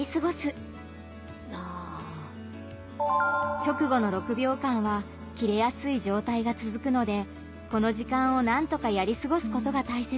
直後の６秒間はキレやすい状態がつづくのでこの時間をなんとかやりすごすことが大切。